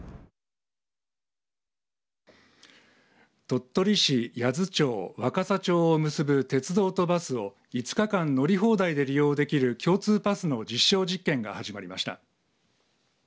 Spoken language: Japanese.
鳥取市、八頭町、若桜町を結ぶ鉄道とバスを５日間乗り放題で利用できる共通パスの実証実験が始まりました。